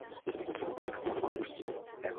নিজের নির্ধারিত সময়ের বাইরে মরা বড্ড বিশ্রীকর ব্যাপার।